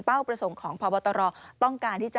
ประสงค์ของพบตรต้องการที่จะ